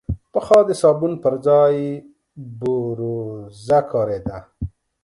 پخوا د صابون پر ځای بوروزه کارېده.